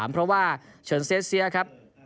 เพราะว่าเฉินเซสเซียครับ